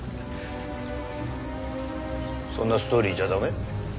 そんなストーリーじゃ駄目？